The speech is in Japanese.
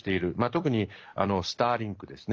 特にスターリンクです。